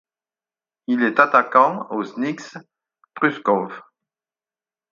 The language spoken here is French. Il est attaquant au Znicz Pruszków.